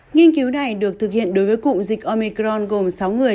nghiên cứu này được thực hiện đối với cụm dịch omicron gồm sáu người